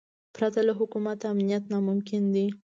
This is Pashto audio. پرته له حکومت امنیت ناممکن دی.